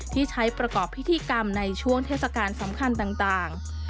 ที่ใช้ประกอบพิธีกรรมในช่วงเทศกาลสำคัญต่าง